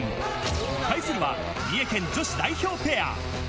対するは三重県女子代表ペア。